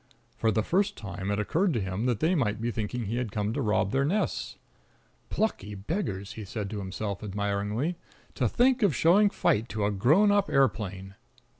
For the first time it occurred to him that they might be thinking he had come to rob their nests. "Plucky beggars!" he said to himself admiringly, "to think of showing fight to a grown up aeroplane!"